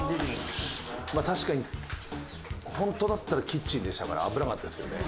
まあ確かにホントだったらキッチンでしたから危なかったですけどね。